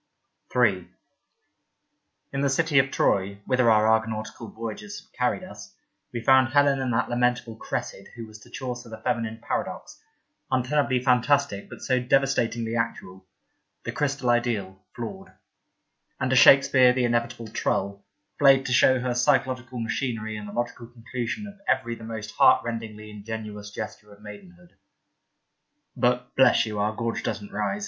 Beauty 47 III IN the city of Troy, whither our Argonautical voyages had carried us, we found Helen and that lamentable Cressid who was to Chaucer the feminine paradox, untenably fantastic but so devastatingly actual, the crystal ideal — flawed ; and to Shakespeare the inevitable trull, flayed to show her physiological machinery and the logical conclusion of every the most heartrendingly ingenuous gesture of maidenhood. (But, bless you ! our gorge doesn't rise.